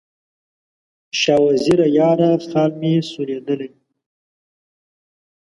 شاه وزیره یاره، خال مې سولېدلی